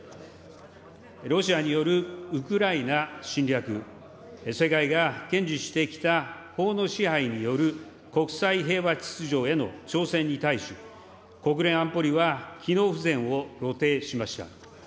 ロシアによるウクライナ侵略、世界が堅持してきた、法の支配による国際平和秩序への挑戦に対し、国連安保理は機能不全を露呈しました。